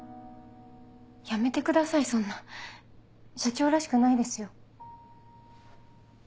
やめてくださいそんな社長らしくないですよ。